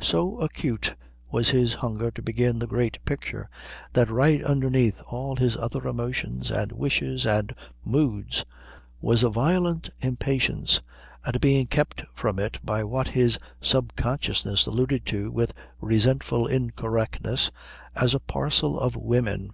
So acute was his hunger to begin the great picture that right underneath all his other emotions and wishes and moods was a violent impatience at being kept from it by what his subconsciousness alluded to with resentful incorrectness as a parcel of women.